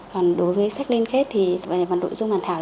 còn đối với sách liên kết thì bản nội dung bản thảo